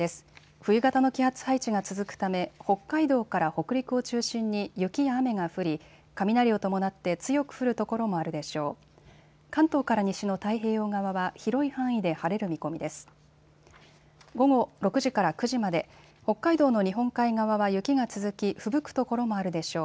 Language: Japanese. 冬型の気圧配置が続くため北海道から北陸を中心に雪や雨が降り雷を伴って強く降る所もあるでしょう。